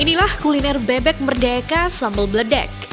inilah kuliner bebek merdeka sambal bledek